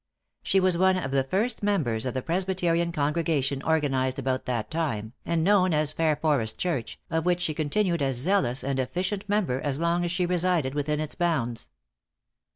She was one of the first members of the Presbyterian congregation organized about that time, and known as Fairforest church, of which she continued a zealous and efficient member as long as she resided within its bounds.